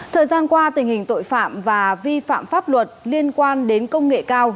thời gian qua tình hình tội phạm và vi phạm pháp luật liên quan đến công nghệ cao